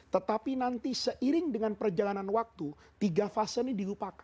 tetapi nanti seiring dengan perjalanan manusia itu akan menjadi tiga fase kehidupan manusia